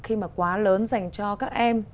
khi mà quá lớn dành cho các em